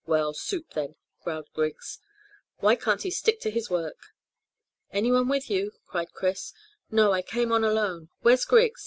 "Well, soup, then," growled Griggs. "Why can't he stick to his work?" "Anyone with you?" cried Chris. "No; I came on alone. Where's Griggs?"